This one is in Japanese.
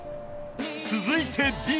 続いてＢ。